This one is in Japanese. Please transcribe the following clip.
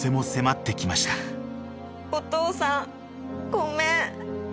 お父さんごめん。